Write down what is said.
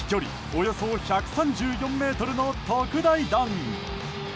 およそ１３４ｍの特大弾。